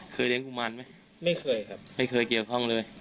เลี้ยงกุมารไหมไม่เคยครับไม่เคยเกี่ยวข้องเลย